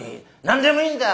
「何でもいいんだ。